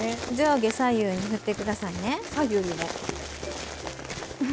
上下左右に振ってくださいね。